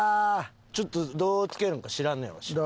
ちょっとどうつけるんか知らんねんわし。